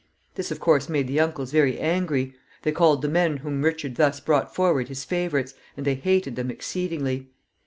This, of course, made the uncles very angry. They called the men whom Richard thus brought forward his favorites, and they hated them exceedingly.